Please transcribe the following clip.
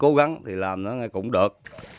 cố gắng thì làm nó cũng được